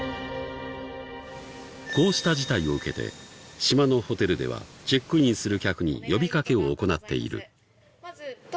［こうした事態を受けて島のホテルではチェックインする客に呼び掛けを行っている］